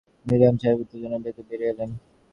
নিজাম সাহেব উত্তেজনায় মশারি থেকে বেরিয়ে এলেন।